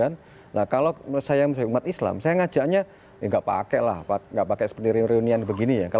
nah kalau saya umat islam saya ngajaknya ya nggak pakai lah nggak pakai seperti reunian begini ya